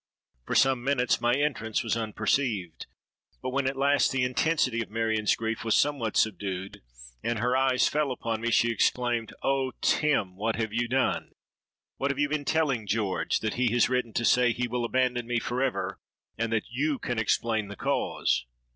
For some minutes my entrance was unperceived; but when at last the intensity of Marion's grief was somewhat subdued, and her eyes fell on me, she exclaimed, 'Oh! Tim, what have you done? what have you been telling George, that he has written to say he will abandon me forever, and that you can explain the cause?'